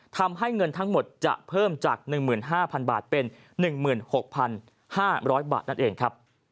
ทำให้เงินทั้งหมดจะเพิ่มจาก๑๕๐๐๐บาทเป็น๑๖๕๐๐บาทนั่นเองครับ